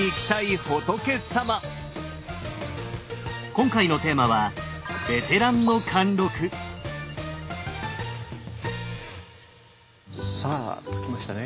今回のテーマはさあ着きましたね。